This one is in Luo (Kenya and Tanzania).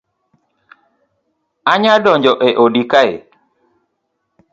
Anya donjo e odi kae